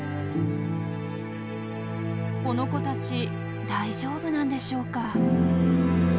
この子たち大丈夫なんでしょうか？